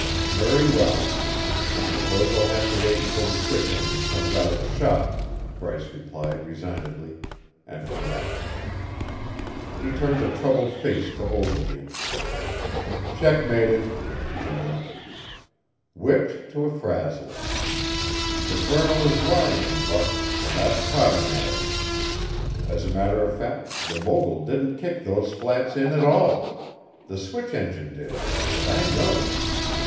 "Very well. I suppose I'll have to wait until the switch engine comes out of the shop," Bryce replied resignedly, and hung up. He turned a troubled face to Ogilvy. "Checkmated!" he announced. "Whipped to a frazzle. The Colonel is lying, Buck, and I've caught him at it. As a matter of fact, the mogul didn't kick those flats in at all. The switch engine did and I know it.